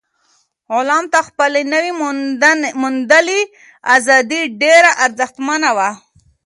غلام ته خپله نوي موندلې ازادي ډېره ارزښتمنه وه.